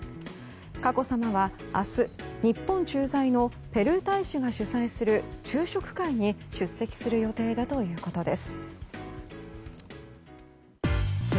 佳子さまは明日、日本駐在のペルー大使が主催する昼食会に出席する予定だということです。